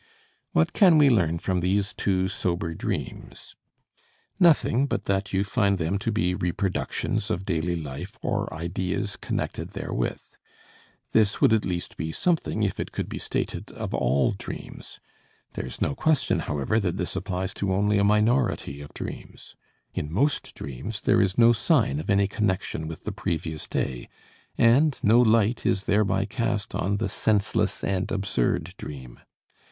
What can we learn from these two sober dreams? Nothing but that you find them to be reproductions of daily life or ideas connected therewith. This would at least be something if it could be stated of all dreams. There is no question, however, that this applies to only a minority of dreams. In most dreams there is no sign of any connection with the previous day, and no light is thereby cast on the senseless and absurd dream.